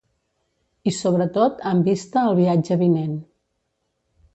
I sobretot amb vista al viatge vinent.